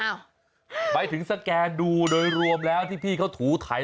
หมายถึงสแกนดูโดยรวมแล้วที่พี่เขาถูไถ